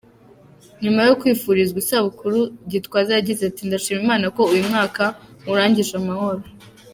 Nyuma yo kwifurizwa isabukuru Gitwaza yagize ati “ Ndashima Imana ko uyu mwaka nywurangije amahoro.